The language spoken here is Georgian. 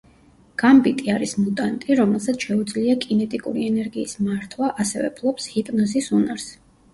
გამბიტი არის მუტანტი, რომელსაც შეუძლია კინეტიკური ენერგიის მართვა, ასევე ფლობს ჰიპნოზის უნარს.